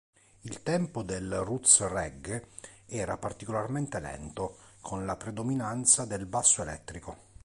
Il tempo del Roots reggae era particolarmente lento, con la predominanza del basso elettrico.